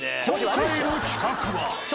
今回の企画は。